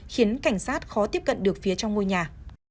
khiến cảnh sát khó tiếp cận được phía trong ngôi nhà